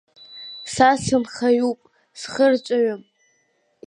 Са сынхаҩуп, схырҵәаҩым!